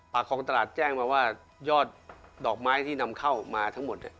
คลองตลาดแจ้งมาว่ายอดดอกไม้ที่นำเข้ามาทั้งหมดเนี่ย